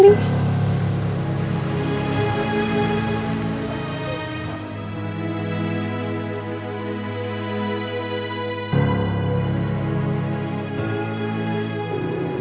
sinta kenapa ya